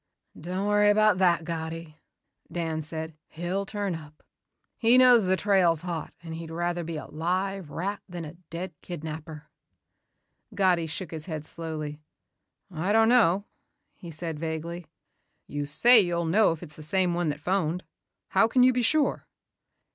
"Don't worry about that, Gatti," Dan said. "He'll turn up. He knows the trail's hot and he'd rather be a live rat than a dead kidnapper." Gatti shook his head slowly. "I don't know," he said vaguely. "You say you'll know if it's the same one that phoned. How can you be sure?"